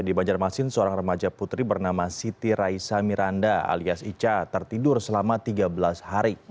di banjarmasin seorang remaja putri bernama siti raisa miranda alias ica tertidur selama tiga belas hari